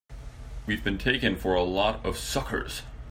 We've been taken for a lot of suckers!